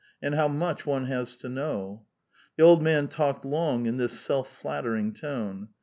•and how much one has to know !" The old man talked long in this self flattering tone.